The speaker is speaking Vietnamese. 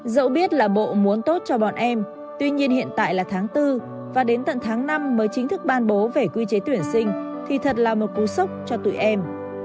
dẫu biết là bộ muốn tốt cho bọn em tuy nhiên hiện tại là tháng bốn và đến tận tháng năm mới chính thức ban bố về quy chế tuyển sinh thì thật là một cú sốc cho tụi em